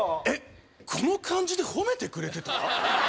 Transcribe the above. えっこの感じで褒めてくれてた？